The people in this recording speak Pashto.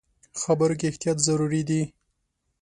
خبرو کې احتیاط ضروري دی.